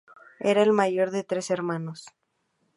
Era el mayor de tres hermanos.